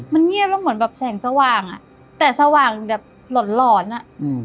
มันเงียบแล้วเหมือนแบบแสงสว่างอ่ะแต่สว่างแบบหล่อนหลอนอ่ะอืม